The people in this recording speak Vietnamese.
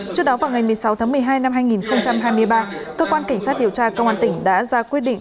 trước đó vào ngày một mươi sáu tháng một mươi hai năm hai nghìn hai mươi ba cơ quan cảnh sát điều tra công an tỉnh đã ra quyết định